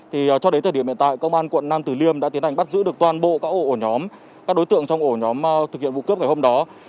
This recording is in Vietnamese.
thì cho đến thời điểm hiện tại công an quận nam tử liêm đã tiến hành bắt giữ được toàn bộ các ổ nhóm các đối tượng trong ổ nhóm thực hiện vụ cướp ngày hôm đó